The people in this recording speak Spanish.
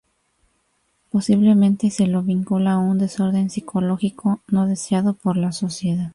Posiblemente se lo vincula a un desorden psicológico no deseado por la sociedad.